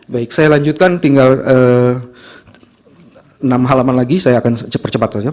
baik saya lanjutkan tinggal enam halaman lagi saya akan cepat cepat saja